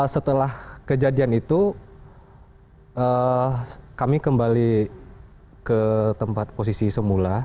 setelah kejadian itu kami kembali ke tempat posisi semula